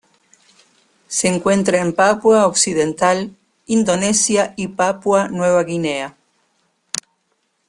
Se encuentra en Papua Occidental, Indonesia y Papua Nueva Guinea.